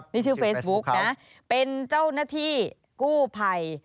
นี่ชื่อเฟซบุ๊กนะเป็นเจ้าหน้าที่กู้ภัย